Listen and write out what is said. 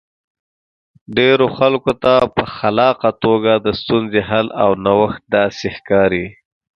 ډېرو خلکو ته په خلاقه توګه د ستونزې حل او نوښت داسې ښکاري.